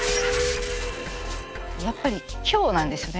やっぱり今日なんですよね。